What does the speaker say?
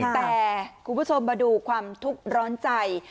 แต่คุณผู้ชมมาดูความทุกข์ร้อนใจ